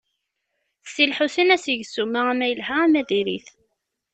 Si Lḥusin ad s-yeg ssuma, ama yelha ama diri-t.